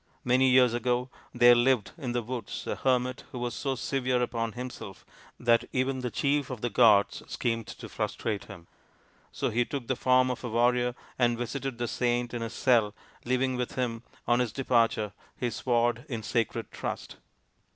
" Many years ago there lived in the woods a hermit who was so severe upon himself that even the chief of the gods schemed to frustrate him. So he took the form of a warrior and visited the saint in his cell, leaving with him, on his departure, his sword in sacred trust.